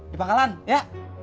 di pangkalan ya